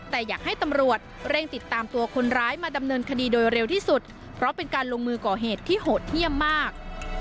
แต่อยากให้ตำรวจเร่งติดตามตัวคนร้ายมาดำเนินคดีโดยเร็วที่สุดเพราะเป็นการลงมือก่อเหตุที่โหดเยี่ยมมาก